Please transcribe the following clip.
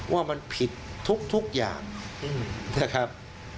ว่ามันผิดทุกอย่างนะครับ